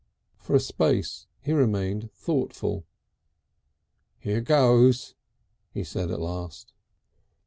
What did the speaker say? For a space he remained thoughtful. "Here goes!" he said at last.